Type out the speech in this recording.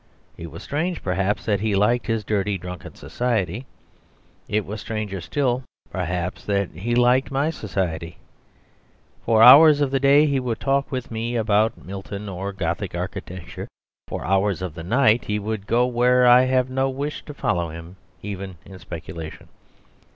It was strange, perhaps, that he liked his dirty, drunken society; it was stranger still, perhaps, that he liked my society. For hours of the day he would talk with me about Milton or Gothic architecture; for hours of the night he would go where I have no wish to follow him, even in speculation.